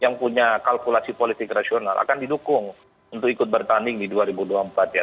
yang punya kalkulasi politik rasional akan didukung untuk ikut bertanding di dua ribu dua puluh empat ya